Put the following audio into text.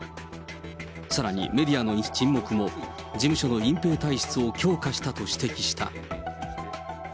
さらにメディアの沈黙も、事務所の隠蔽体質を強化したと指摘した。